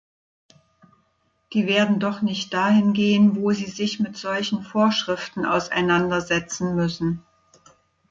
Die werden doch nicht dahin gehen, wo sie sich mit solchen Vorschriften auseinandersetzen müssen.